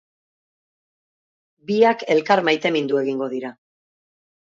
Biak elkar maitemindu egingo dira.